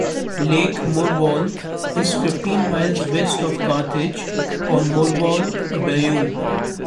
Lake Murvaul is fifteen miles west of Carthage on Murvaul Bayou.